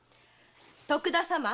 徳田様